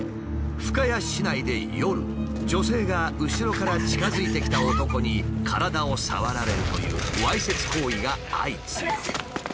深谷市内で夜女性が後ろから近づいてきた男に体を触られるというわいせつ行為が相次いだ。